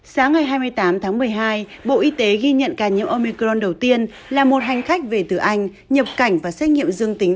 sáng ngày hai mươi tám tháng một mươi hai bộ y tế ghi nhận ca nhiễm omicron đầu tiên là một hành khách về từ anh nhập cảnh và xét nghiệm dương tính